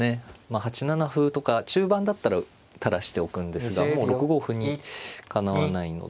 ８七歩とか中盤だったら垂らしておくんですがもう６五歩にかなわないので。